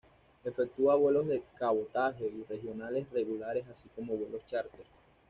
Efectúa vuelos de cabotaje y regionales regulares así como vuelos chárter.